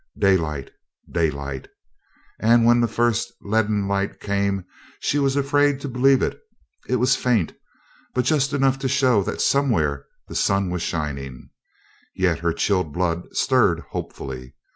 Daylight! Daylight! And when the first leaden light came she was afraid to believe it. It was faint, just enough to show that somewhere the sun was shining, yet her chilled blood stirred hopefully.